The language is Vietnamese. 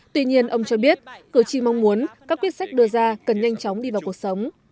tuy nhiên ông cho biết cử tri mong muốn các quyết sách đưa ra cần nhanh chóng đi vào cuộc sống